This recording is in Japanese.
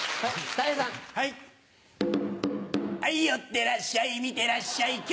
寄ってらっしゃい見てらっしゃい。